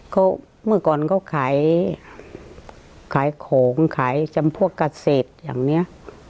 ก็เมื่อก่อนเขาขายขายของขายจำพวกเกษตรอย่างเนี้ย